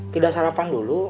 tidak sarapan dulu